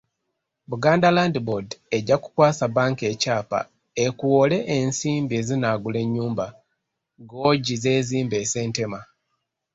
Buganda Land Board ejja kukwasa bbanka ekyapa ekuwole ensimbi ezinaagula ennyumba Guoji z'ezimba e Ssentema.